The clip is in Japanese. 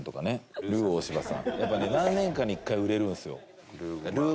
やっぱね何年かに１回売れるんですよ。